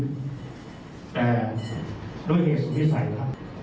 แต่ด้วยเหตุธุระวิทยาศาสตร์ที่ใส่ครับ